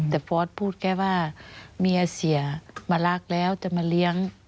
แต่ฟอร์สพูดแค่ว่าเมียเสียมารักแล้วจะมาเลี้ยง